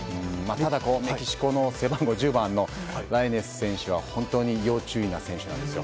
メキシコの背番号１０番ライネス選手は本当に要注意な選手なんですよ。